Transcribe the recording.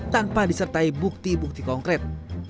tanpa disertai bukti bukti konkret